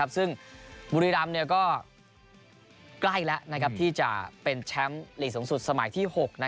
ซึ่งบุรีรำก็ใกล้แล้วที่จะเป็นแชมป์ลีกสูงสุดสมัยที่๖